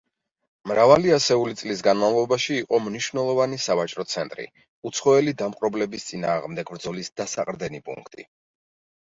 მრავალი ასეული წლის განმავლობაში იყო მნიშვნელოვანი სავაჭრო ცენტრი, უცხოელი დამპყრობლების წინააღმდეგ ბრძოლის დასაყრდენი პუნქტი.